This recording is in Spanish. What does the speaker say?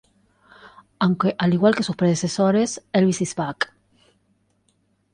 Aunque al igual que sus predecesores "Elvis Is Back!